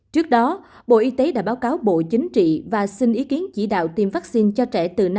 trước đó bộ y tế đã báo cáo bộ chính trị và xin ý kiến chỉ đạo tiêm vaccine cho trẻ từ năm